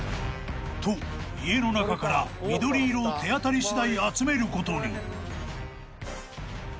［と家の中から緑色を手当たり次第集めることに］